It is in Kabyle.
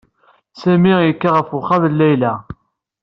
Sami yekka ɣef uxxam n Layla.